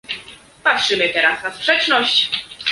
Patrzymy teraz na sprzeczność